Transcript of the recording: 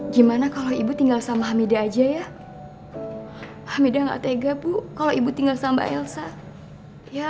gimana kalau ibu tinggal sama hamida aja ya hamidah nggak tega bu kalau ibu tinggal sama mbak elsa ya